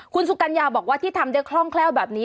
คุณสุกัญญาบอกว่าที่ทำได้คล่องแคล่วแบบนี้